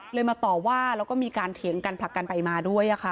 มาต่อว่าแล้วก็มีการเถียงกันผลักกันไปมาด้วย